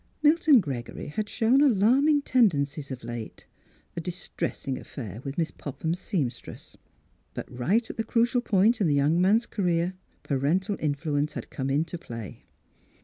Milton Gregory ha4 shown alarming tendencies of late. A distressing affair with Miss Popham's seamstress. But right at the crucial point in the young man's career parental influence had come into play.